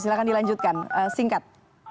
silahkan dilanjutkan singkat